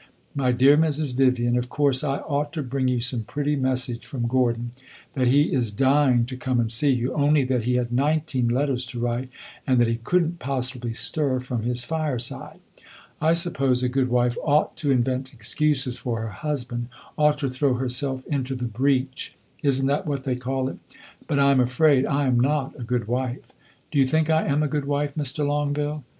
My dear Mrs. Vivian, of course I ought to bring you some pretty message from Gordon that he is dying to come and see you, only that he had nineteen letters to write and that he could n't possibly stir from his fireside. I suppose a good wife ought to invent excuses for her husband ought to throw herself into the breach; is n't that what they call it? But I am afraid I am not a good wife. Do you think I am a good wife, Mr. Longueville?